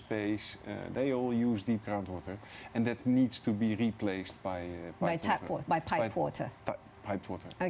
mereka semua menggunakan air tipe dan itu harus diubah oleh air tipe